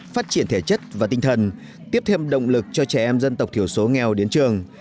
phát triển thể chất và tinh thần tiếp thêm động lực cho trẻ em dân tộc thiểu số nghèo đến trường